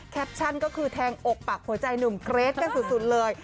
แปปชั่นก็คือแทงอกปากหัวใจหนุ่มเกรทกันสุดเลย